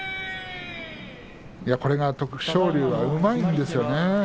これが徳勝龍はうまいんですよ